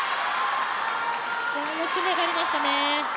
よく粘りましたね。